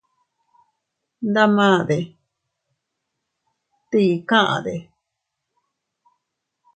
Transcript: Ndamade ¿tii kade?